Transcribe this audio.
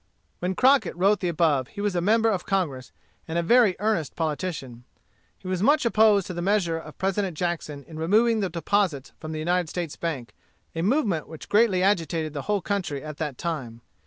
When Crockett wrote the above he was a member of Congress, and a very earnest politician. He was much opposed to the measure of President Jackson in removing the deposits from the United States Bank a movement which greatly agitated the whole country at that time.